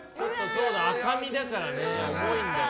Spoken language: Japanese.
赤身だからね、重いんだよ。